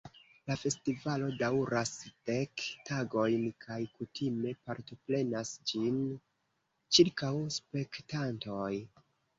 La festivalo daŭras dek tagojn kaj kutime partoprenas ĝin ĉirkaŭ spektantoj.